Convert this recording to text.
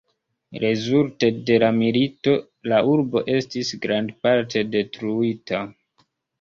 Rezulte de la milito la urbo estis grandparte detruita.